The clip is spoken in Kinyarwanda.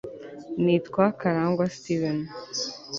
Nitwa karangwa steven